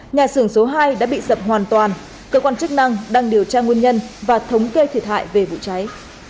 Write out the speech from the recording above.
nhà xưởng số hai đã bị sập hoàn toàn cơ quan chức năng đang điều tra nguyên nhân và thống kê thiệt hại về vụ cháy